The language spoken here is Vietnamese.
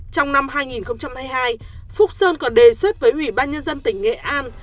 trong năm hai nghìn hai mươi hai phúc sơn còn đề xuất với ủy ban nhân dân tỉnh nghệ an